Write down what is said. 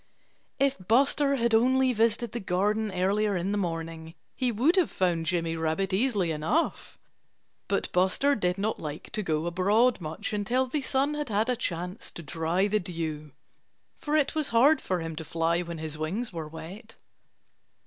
If Buster had only visited the garden earlier in the morning he would have found Jimmy Rabbit easily enough. But Buster did not like to go abroad much until the sun had had a chance to dry the dew, for it was hard for him to fly when his wings were wet.